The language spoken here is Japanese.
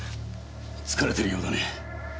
疲れてるようだね。